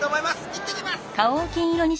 行ってきます！